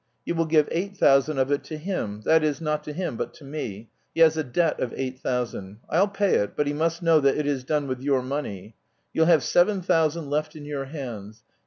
You will give eight thousand of it to him; that is, not to him but to me. He has a debt of eight thousand. I'll pay it, but he must know that it is done with your money. You'll have seven thousand left in your hands.